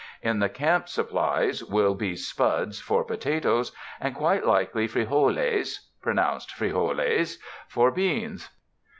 In the camp supplies will be "spuds" for potatoes, and quite likely "frijoles" (pronounced fre ho les) for beans.